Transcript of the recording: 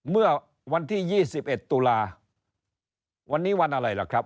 เมื่อวันที่ยี่สิบเอ็ดตุลาวันนี้วันอะไรล่ะครับ